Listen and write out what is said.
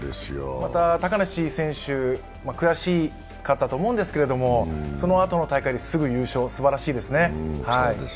また、高梨選手、悔しかったと思うんですけど、そのあとの大会ですぐ優勝、すばらしいですね。